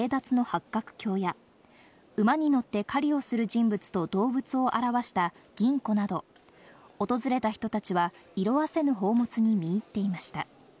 八角鏡や、馬に乗って狩りをする人物と動物を表した銀壺など、訪れた人たちは色あせぬ宝物に見入っていました。